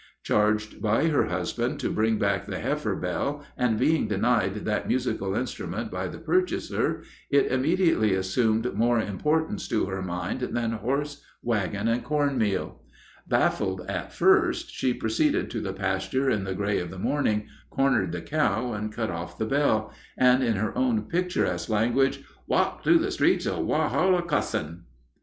Charged by her husband to bring back the heifer bell, and being denied that musical instrument by the purchaser, it immediately assumed more importance to her mind than horse, wagon, and corn meal. Baffled at first, she proceeded to the pasture in the gray of the morning, cornered the cow, and cut off the bell, and, in her own picturesque language, "walked through the streets of Walhalla cussin'."